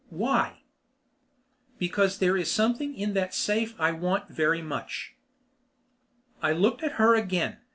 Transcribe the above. "Why?" "Because there is something in that safe I want very much." I looked at her again.